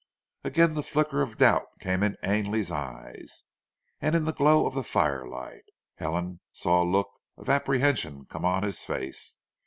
Again the flicker of doubt came in Ainley's eyes, and in the glow of the firelight, Helen saw a look of apprehension come on his face.